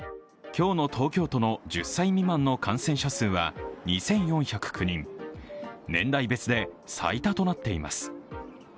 今日の東京都の１０歳未満の感染者数は２４０９人年代別で最多となっています。